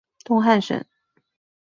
东汉省。